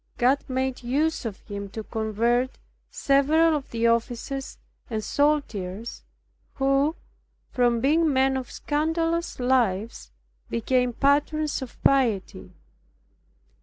God made use of him to convert several of the officers and soldiers, who, from being men of scandalous lives, became patterns of piety.